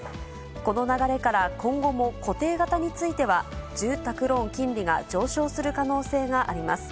この流れから、今後も固定型については、住宅ローン金利が上昇する可能性があります。